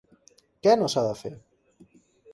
Què no s'ha de fer?